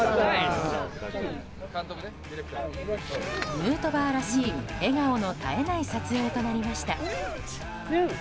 ヌートバーらしい笑顔の絶えない撮影となりました。